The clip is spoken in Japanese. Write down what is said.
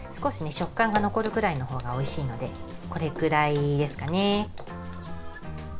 食感が残るくらいのほうがおいしいのでこれくらいですかね。